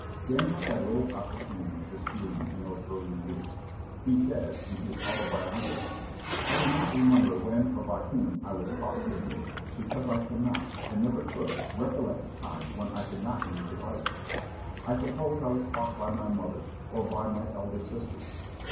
Daniel had little opportunity for schooling in those early years. He says, in his autobiography, "I do not remember when or by whom I was taught to read, because I cannot, and never could, recollect a time when I could not read the Bible. I suppose I was taught by my mother, or by my elder sisters.